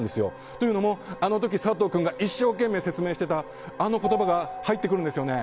というのも、あの時、佐藤君が一生懸命説明してたあの言葉が入ってくるんですよね。